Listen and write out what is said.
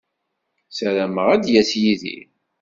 Ssarameɣ ad d-yas Yidir.